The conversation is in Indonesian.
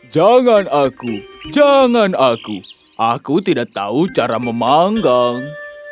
jangan aku jangan aku aku tidak tahu cara memanggang